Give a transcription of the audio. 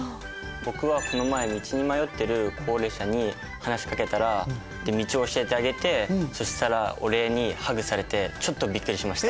僕はこの前道に迷ってる高齢者に話しかけたらで道を教えてあげてそしたらお礼にハグされてちょっとびっくりしました。